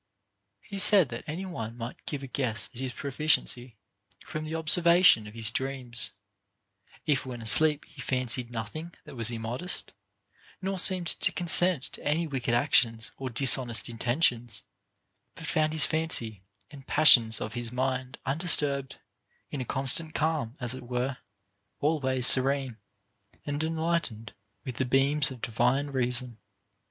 He said that any one might give a guess at his proficiency from the observation of his dreams, if when asleep he fancied nothing that was immodest, nor seemed to consent to any wicked actions or dishonest in tentions, but found his fancy and passions of his mind undisturbed, in a constant calm, as it were, always serene, and enlightened with the beams of divine reason.